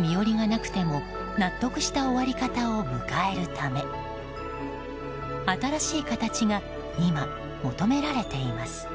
身寄りがなくても納得した終わり方を迎えるため新しい形が今、求められています。